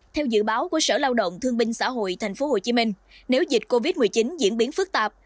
theo dự báo của sở lao động thương binh xã hội thành phố hồ chí minh nếu dịch covid một mươi chín diễn biến phức tạp